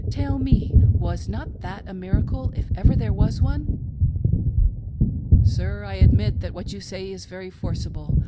Tell me, was not that a miracle if ever there was one.' L. P. : Sir, I admit that what you say is very forcible.